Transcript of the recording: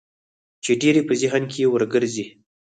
چې ډېر يې په ذهن کې ورګرځي.